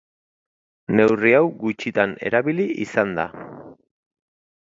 Neurri hau gutxitan erabili izan da.